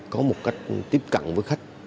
có một cách tiếp cận với khách